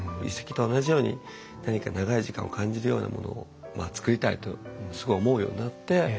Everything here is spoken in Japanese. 遺跡と同じように何か長い時間を感じるようなものを作りたいとすごい思うようになって。